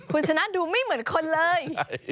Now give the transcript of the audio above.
คุณชนะดูไม่เหมือนคนเลย